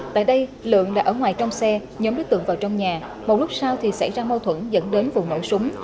tại đây lượng đã ở ngoài trong xe nhóm đối tượng vào trong nhà một lúc sau thì xảy ra mâu thuẫn dẫn đến vụ nổ súng